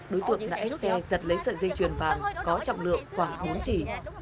đối tượng đã ép xe giật lấy sợi dây chuyền vàng có trọng lượng khoảng bốn chỉ